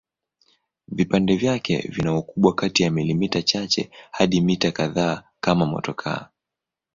Vipande vyake vina ukubwa kati ya milimita chache hadi mita kadhaa kama motokaa.